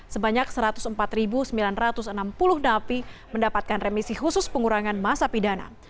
sebanyak satu ratus empat sembilan ratus enam puluh napi mendapatkan remisi khusus pengurangan masa pidana